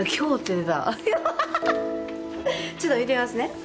ちょっと見てみますね。